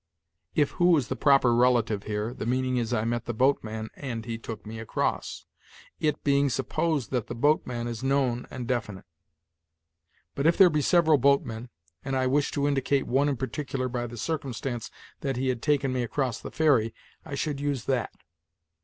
If 'who' is the proper relative here, the meaning is, 'I met the boatman, and he took me across,' it being supposed that the boatman is known and definite. But if there be several boatmen, and I wish to indicate one in particular by the circumstance that he had taken me across the ferry, I should use 'that.'